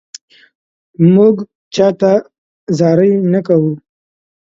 مونږ چاته زاري نه کوو